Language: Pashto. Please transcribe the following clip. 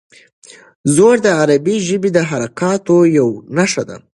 زور د عربي ژبې د حرکاتو یوه نښه ده.